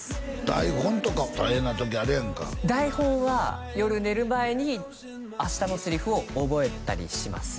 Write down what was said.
台本とか大変な時あるやんか台本は夜寝る前に明日のセリフを覚えたりします